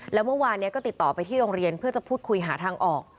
แล้วเมื่อวานนี้ก็ติดต่อไปที่โรงเรียนเพื่อจะพูดคุยหาทางออก